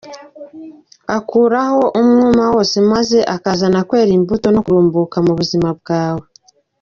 Akuraho umwuma wose maze akazana kwera imbuto no kurumbuka mu buzima bwawe.